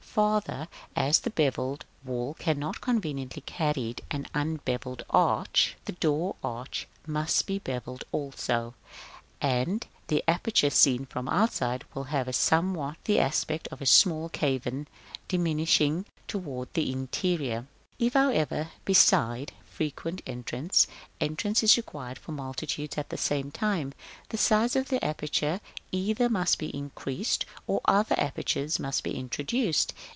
Farther, as the bevelled wall cannot conveniently carry an unbevelled arch, the door arch must be bevelled also, and the aperture, seen from the outside, will have somewhat the aspect of a small cavern diminishing towards the interior. § VI. If, however, beside frequent entrance, entrance is required for multitudes at the same time, the size of the aperture either must be increased, or other apertures must be introduced.